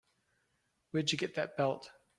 Where'd you get that belt?